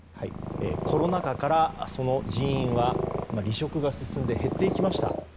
コロナ禍から、その人員は離職が進んで減っていきました。